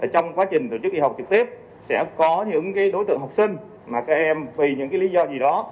trong quá trình thực hiện học trực tiếp sẽ có những đối tượng học sinh mà các em vì những lý do gì đó